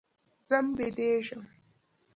ځم بيدېږم.